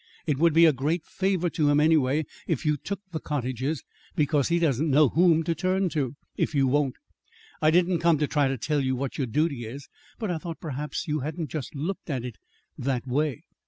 It would be a great favor to him, anyway, if you took the cottages; because he doesn't know whom to turn to, if you won't. I didn't come to try to tell you what your duty is, but I thought perhaps you hadn't just looked at it that way."